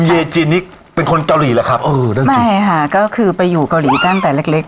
เยจินนี่เป็นคนเกาหลีแหละครับเออได้ไหมใช่ค่ะก็คือไปอยู่เกาหลีตั้งแต่เล็กเล็ก